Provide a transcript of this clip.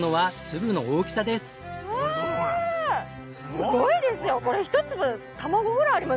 すごいですよこれ。